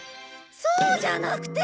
そうじゃなくて！